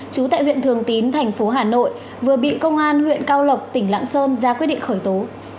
trú tại huyện thường tín thành phố hà nội vừa bị công an huyện cao lộc tỉnh lạng sơn ra quyết định khởi tố